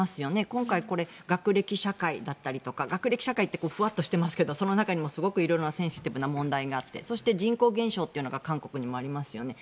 今回、これ学歴社会だったりとか学歴社会ってふわっとしてますがその中にもすごく色々なセンシティブな問題があってそして人口減少というのが韓国にもありますよね。